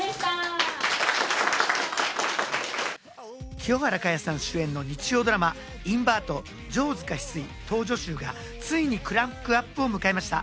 清原果耶さん主演の日曜ドラマ『ｉｎｖｅｒｔ城塚翡翠倒叙集』がついにクランクアップを迎えました。